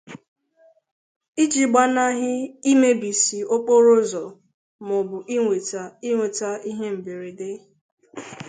iji gbanahị imebisi okporo ụzọ ma ọ bụ iwèta ihe mberede